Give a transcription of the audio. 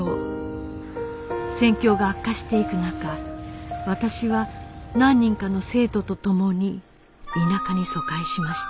戦況が悪化していく中私は何人かの生徒と共に田舎に疎開しました